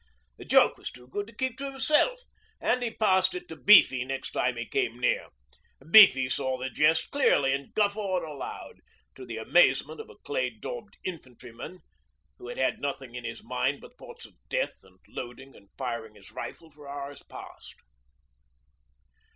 The joke was too good to keep to himself, and he passed it to Beefy next time he came near. Beefy saw the jest clearly and guffawed aloud, to the amazement of a clay daubed infantryman who had had nothing in his mind but thoughts of death and loading and firing his rifle for hours past.